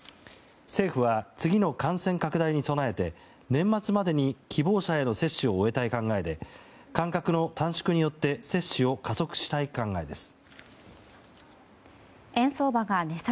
政府は、次の感染拡大に備えて年末までに希望者への接種を終えたい考えで間隔の短縮によって接種を加速したい考えです。